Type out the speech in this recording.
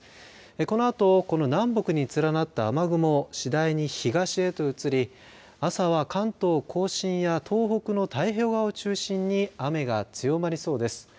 このあと、この南北に連なった雨雲次第に東へと移り朝は関東甲信や東北の太平洋側を中心に雨が強まりそうです。